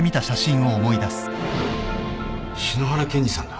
篠原健治さんだ。